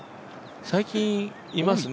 最近、いますね。